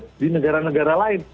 dengan trend di negara negara lain